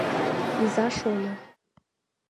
Иза-шольо!